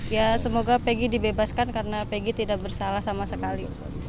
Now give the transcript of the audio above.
ya semoga peggy dibebaskan karena pegg tidak bersalah sama sekali